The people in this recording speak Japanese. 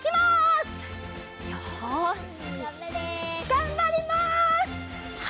がんばります！